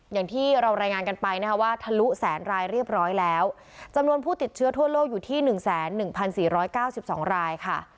อย่างที่เรารายงานกันไปนะคะว่าทะลุแสนรายเรียบร้อยแล้วจำนวนผู้ติดเชื้อทั่วโลกอยู่ที่๑๑๔๙๒รายค่ะ